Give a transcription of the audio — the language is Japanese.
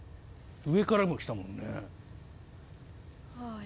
上からも来たもんね。